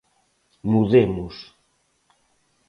Mudemos.